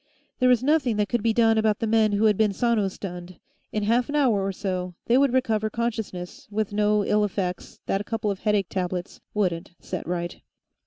There was nothing that could be done about the men who had been sono stunned; in half an hour or so, they would recover consciousness with no ill effects that a couple of headache tablets wouldn't set right.